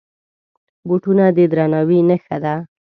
بوټونه د درناوي نښه ده.